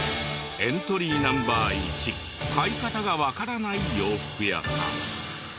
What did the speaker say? エントリーＮｏ．１買い方がわからない洋服屋さん。